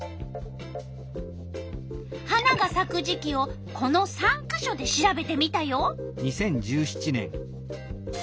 花がさく時期をこの３か所で調べてみたよ。